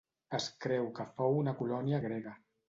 Es creu que fou una colònia grega.